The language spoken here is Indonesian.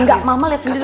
nggak mama lihat sendiri